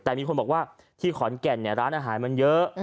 แต่มีคนบอกว่าที่ขอนแก่นร้านอาหารมันเยอะ